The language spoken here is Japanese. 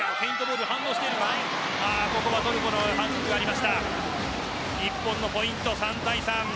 ここはトルコの反則がありました日本のポイント３対３。